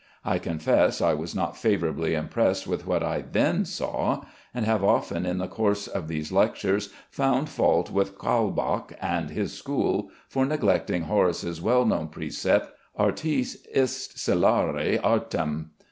I confess I was not favorably impressed with what I then saw; and have often in the course of these lectures found fault with Kaulbach and his school for neglecting Horace's well known precept, "Artis est celare artem."